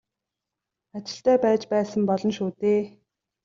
Ажилтай байж байсан болно шүү дээ.